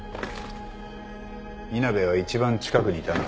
稲辺は一番近くにいたな。